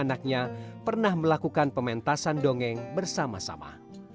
dan anak anaknya pernah melakukan pementasan dongeng bersama sama